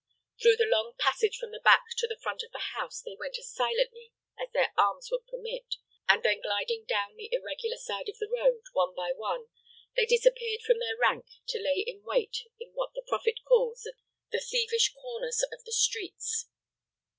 Through the long passage from the back to the front of the house, they went as silently as their arms would permit, and then gliding down the irregular side of the road, one by one, they disappeared from their rank to lay in wait in what the prophet calls "the thievish corners of the streets."